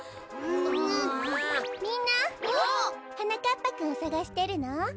みんなはなかっぱくんをさがしてるの？